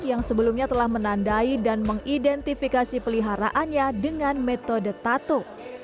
yang sebelumnya telah menandai dan mengidentifikasi peliharaannya dengan metode tato